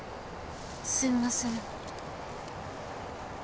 すみません。